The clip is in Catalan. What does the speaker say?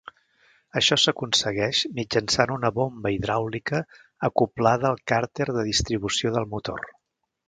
Això s'aconsegueix mitjançant una bomba hidràulica acoblada al càrter de distribució del motor.